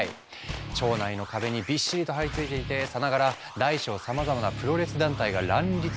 腸内の壁にびっしりと貼り付いていてさながら大小さまざまなプロレス団体が乱立しまくってる感じ？